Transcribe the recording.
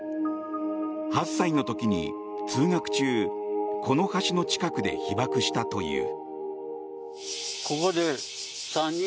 ８歳の時に通学中この橋の近くで被爆したという。